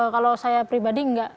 kalau saya pribadi enggak